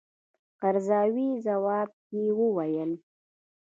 قرضاوي ځواب کې وویل.